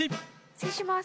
失礼します。